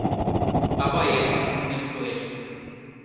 — Аваемым ужмем шуэш...